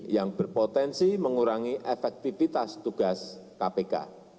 yang berpotensi mengurangi efektivitas tugas kpk